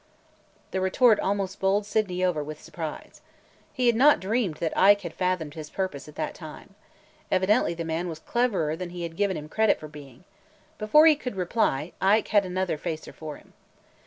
The retort almost bowled Sydney over with surprise. He had not dreamed that Ike had fathomed his purpose at that time. Evidently the man was cleverer than he had given him credit for being. Before he could reply, Ike had another "facer" for him.